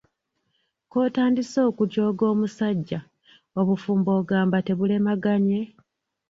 "K'otandise okujooga omusajja, obufumbo ogamba tebulemaganye?"